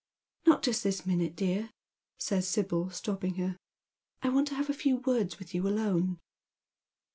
"Not just this minute, dear," says Sibyl, stopping her. "I want to have a few words with you alone."